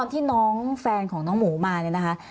ที่น้องแฟนของน้องหมูมาเนี่ยนะคะ